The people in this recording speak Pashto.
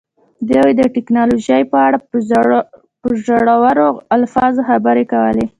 دوی د ټیکنالوژۍ په اړه په زړورو الفاظو خبرې کولې